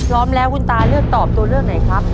พร้อมแล้วคุณตาเลือกตอบตัวเลือกไหนครับ